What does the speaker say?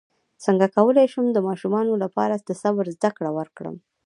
څنګه کولی شم د ماشومانو لپاره د صبر زدکړه ورکړم